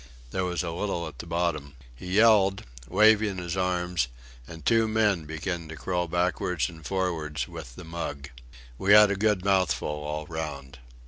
There was a little at the bottom. He yelled, waving his arms, and two men began to crawl backwards and forwards with the mug. We had a good mouthful all round.